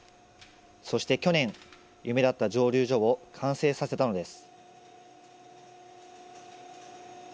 そして去年、夢だった蒸留所を完成させたのです。